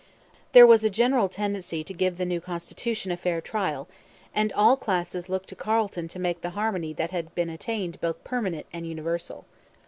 There was a general tendency to give the new constitution a fair trial; and all classes looked to Carleton to make the harmony that had been attained both permanent and universal.